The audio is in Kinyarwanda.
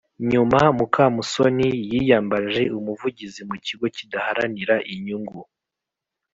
nyuma mukamusoni yiyambaje umuvugizi mu kigo kidaharanira inyungu,